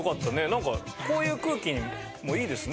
なんかこういう空気もいいですね。